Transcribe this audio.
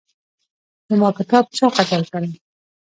زما کتاب چا قتل کړی